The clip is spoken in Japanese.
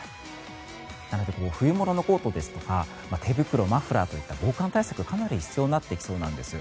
なので冬物のコートですとか手袋、マフラーといった防寒対策がかなり必要になってきそうなんです。